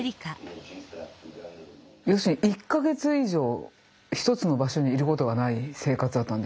要するに１か月以上一つの場所にいることがない生活だったんで。